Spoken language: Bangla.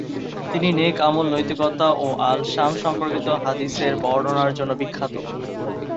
তিনি নেক আমল, নৈতিকতা ও আল-শাম সম্পর্কিত হাদিসের বর্ণনার জন্য বিখ্যাত।